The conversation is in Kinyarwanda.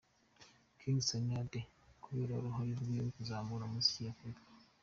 King Sunny Ade, kubera uruhare rwe mu kuzamura muzika ya Africa.